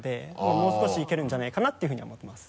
もう少しいけるんじゃないかなていうふうに思ってます。